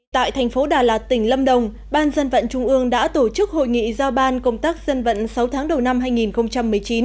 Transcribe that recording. tại thành phố đà lạt tỉnh lâm đồng ban dân vận trung ương đã tổ chức hội nghị giao ban công tác dân vận sáu tháng đầu năm hai nghìn một mươi chín